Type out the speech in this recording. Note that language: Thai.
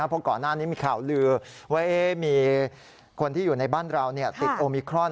เพราะก่อนหน้านี้มีข่าวลือว่ามีคนที่อยู่ในบ้านเราติดโอมิครอน